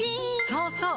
そうそう！